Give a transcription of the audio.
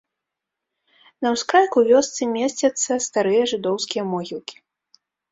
На ўскрайку вёскі месцяцца старыя жыдоўскія могілкі.